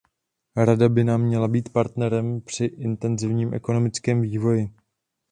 Rada by nám měla být partnerem při intenzivnějším ekonomickém vývoji.